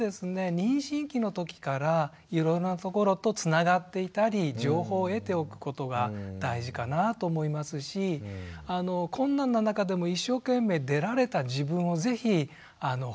妊娠期のときからいろいろなところとつながっていたり情報を得ておくことが大事かなと思いますし困難な中でも一生懸命出られた自分を是非褒めてあげて頂ければと思います。